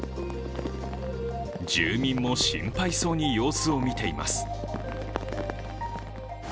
住民も心配そうに様子を見ています。